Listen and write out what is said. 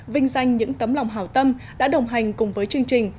vinh danh những tấm lòng hảo tâm đã đồng hành cùng với chương trình